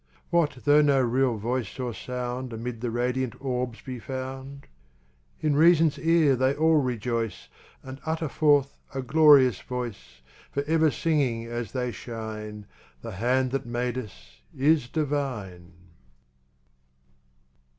What though no real voice nor sound Amid the radiant orbs be found? In reasonŌĆÖs ear they all rejoice, And utter forth a glorious voice, Forever singing as they shine, ŌĆ£The hand that made us is divine.